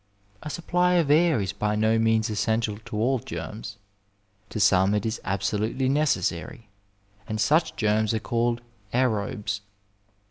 A supply of air is by no means essential to all germs. To some it is absolutely necessary, and such germs are called aerobes.